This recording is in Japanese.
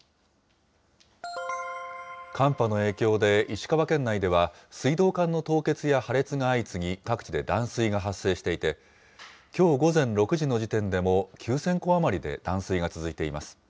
寒波の影響で、石川県内では、水道管の凍結や破裂が相次ぎ、各地で断水が発生していて、きょう午前６時の時点でも９０００戸余りで断水が続いています。